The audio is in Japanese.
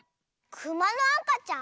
クマのあかちゃん？